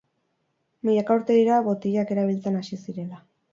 Milaka urte dira botilak erabiltzen hasi zirela.